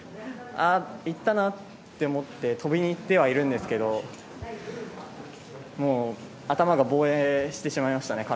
あ、いったなって思って跳びにいってはいるんですけど頭が防衛してしまいました。